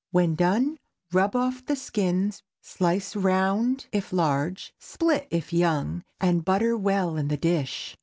When done, rub off the skins, slice round if large, split if young, and butter well in the dish.